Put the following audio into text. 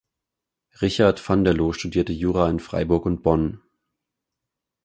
Richard van de Loo studierte Jura in Freiburg und Bonn.